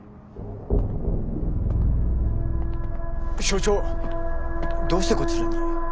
署長どうしてこちらに？